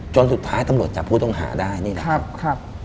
จนสุดท้ายตำรวจจับผู้ต้องหาได้นี่นะครับ